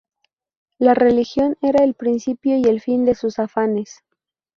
La religión era el principio y el fin de sus afanes.